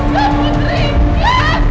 kak putri kak